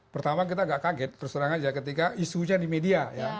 pertama kita agak kaget terserah saja ketika isunya di media